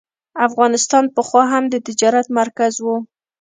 افغانستان پخوا هم د تجارت مرکز و.